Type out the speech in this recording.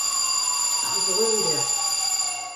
Ar vreudeur.